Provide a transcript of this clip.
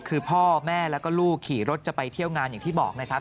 คือพ่อแม่แล้วก็ลูกขี่รถจะไปเที่ยวงานอย่างที่บอกนะครับ